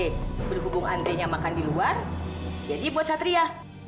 tapi berhubung andre nya makan di luar jadi buat satria